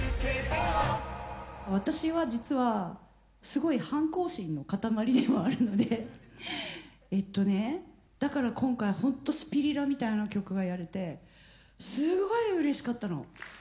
私は実はすごい反抗心の塊ではあるのでえっとねだから今回ほんと「スピリラ」みたいな曲がやれてすごいうれしかったの。